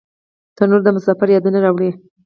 تنور د مسافر یادونه راولي